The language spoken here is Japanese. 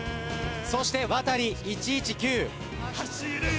そしてワタリ１１９。